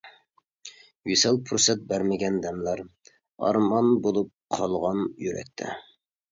ۋىسال پۇرسەت بەرمىگەن دەملەر، ئارمان بولۇپ قالغان يۈرەكتە.